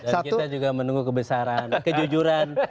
dan kita juga menunggu kebesaran kejujuran